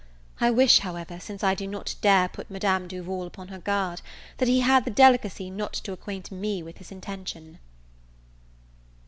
I wish, however, since I do not dare put Madame Duval upon her guard, that he had the delicacy not to acquaint me with his intention.